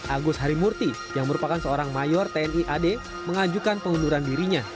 agus harimurti yang merupakan seorang mayor tni ad